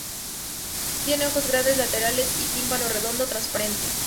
Tiene ojos grandes laterales y tímpano redondo, transparente.